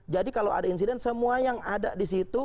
jadi kalau ada insiden semua yang ada disitu